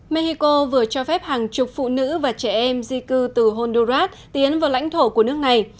mexico vừa cho phép hàng chục phụ nữ và trẻ em di cư từ honduras tiến vào lãnh thổ của nước này